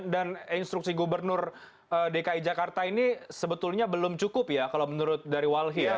dan instruksi gubernur dki jakarta ini sebetulnya belum cukup ya kalau menurut dari walhi ya